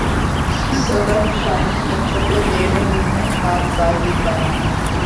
سبق شاہیں بچوں کو دے رہے ہیں خاک بازی کا